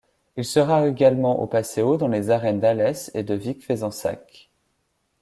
Il sera également au paseo dans les arènes d'Ales et de Vic-Fezensac.